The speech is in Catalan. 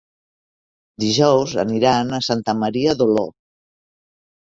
Dijous aniran a Santa Maria d'Oló.